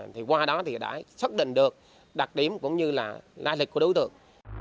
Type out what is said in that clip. thì qua đó thì đã xác định được đặc điểm cũng như là lai lịch của đối tượng